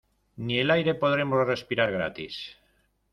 Ni el aire podremos respirar gratis.